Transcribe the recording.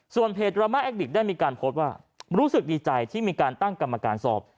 เพจดราม่าแอคดิกได้มีการโพสต์ว่ารู้สึกดีใจที่มีการตั้งกรรมการสอบ